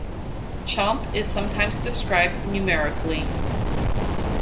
Chomp is sometimes described numerically.